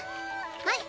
はい。